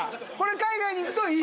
海外に行くといい？